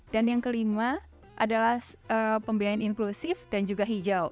dan yang kelima adalah pembiayaan inklusif dan juga hijau